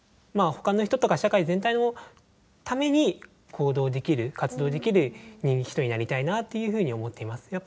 まあほかの人とか社会全体のために行動できる活動できる人になりたいなというふうに思っています。